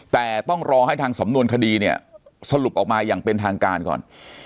แต่ต้องรอให้ทางสำนวนคดีเนี่ยสรุปออกมาอย่างเป็นทางการก่อน